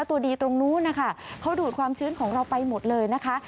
ตัวดีตรงนู้นนะคะเขาดูดความชื้นของเราไปหมดเลยนะคะ